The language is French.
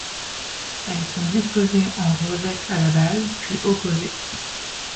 Elles sont disposées en rosette à la base puis opposées.